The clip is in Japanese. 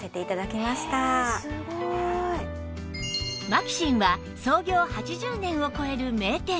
マキシンは創業８０年を超える名店